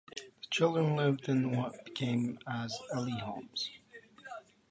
The children lived in what became as Ely Homes.